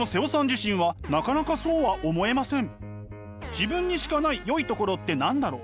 「自分にしかないよいところって何だろう？」。